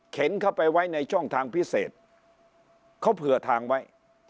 เข้าไปไว้ในช่องทางพิเศษเขาเผื่อทางไว้